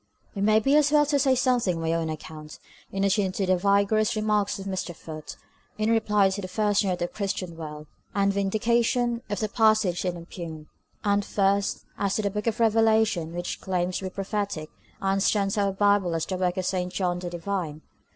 It may be as well to say something on my own account, in addition to the vigorous remarks of Mr. Foote, in reply to the first note of the Christian World, and vindication of the passage it impugned. And first, as to the Book of Revelation, which claims to be prophetic, and stands in our Bible as the work of St. John the Divine.